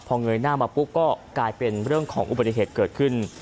พอเงยหน้ามาปุ๊บก็กลายเป็นเรื่องของอุบัติเหตุเกิดขึ้น